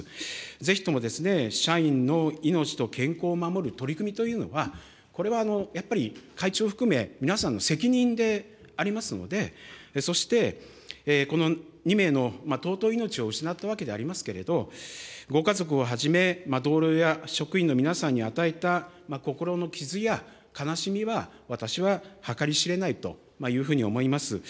ぜひとも、社員の命と健康を守る取り組みというのは、これはやっぱり会長含め、皆さんの責任でありますので、そして、この２名の尊い命を失ったわけでありますけれど、ご家族をはじめ、同僚や職員の皆さんに与えた心の傷や悲しみは、私は計り知れないというふうに思います。